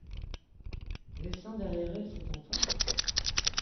laissant derrière elle cet enfant ?